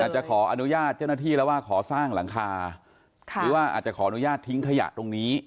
จะขออนุญาตเจ้าหน้าที่แล้วว่าขอสร้างหลังคาหรือว่าอาจจะขออนุญาตทิ้งขยะตรงนี้